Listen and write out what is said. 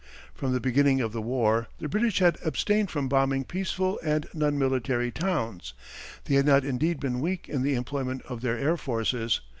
From the beginning of the war the British had abstained from bombing peaceful and non military towns. They had not indeed been weak in the employment of their air forces.